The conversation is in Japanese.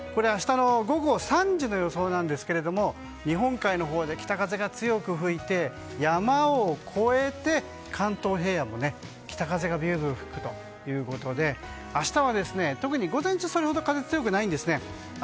明日の午後３時の予想なんですが日本海のほうは北風が強く吹いて山を越えて関東平野も北風がビュービュー吹くということで明日は特に午前中それほど風は強くないんですね。